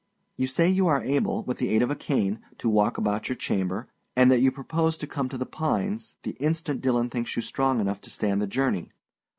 You say you are able, with the aid of a cane, to walk about your chamber, and that you purpose to come to The Pines the instant Dillon thinks you strong enough to stand the journey.